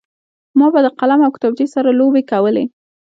ما به د قلم او کتابچې سره لوبې کولې